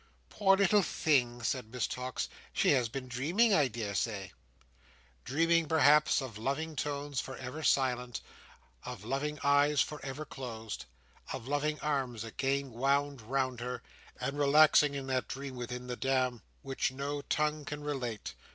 "Poor little thing," said Miss Tox; "she has been dreaming, I daresay." Dreaming, perhaps, of loving tones for ever silent, of loving eyes for ever closed, of loving arms again wound round her, and relaxing in that dream within the dam which no tongue can relate.